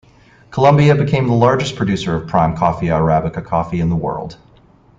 Colombia became the largest producer of prime "Coffea arabica" coffee in the world.